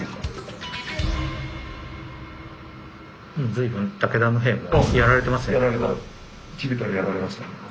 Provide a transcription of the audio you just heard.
随分武田の兵もやられてますよね。